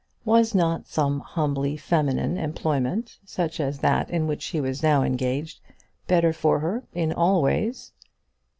Was not some humbly feminine employment, such as that in which she was now engaged, better for her in all ways?